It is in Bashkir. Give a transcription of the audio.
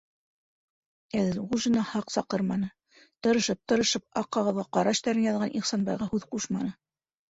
Әҙелғужина һаҡ саҡырманы, тырышып- тырышып аҡ ҡағыҙға ҡара эштәрен яҙған Ихсанбайға һүҙ ҡушманы.